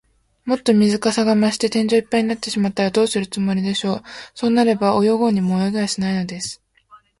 もっと水かさが増して、天井いっぱいになってしまったら、どうするつもりでしょう。そうなれば、泳ごうにも泳げはしないのです。